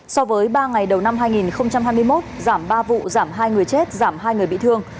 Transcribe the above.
so với ba ngày đầu năm hai nghìn hai mươi một giảm ba vụ giảm hai người chết giảm hai người bị thương